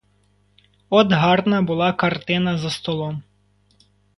От гарна була картина за столом!